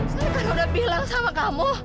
saya kan udah bilang sama kamu